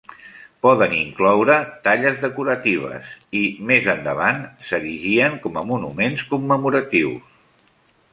Poden incloure talles decoratives i, més endavant, s'erigien com a monuments commemoratius.